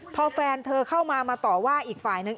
พอแฟนเธอเข้ามามาต่อว่าอีกฝ่ายนึง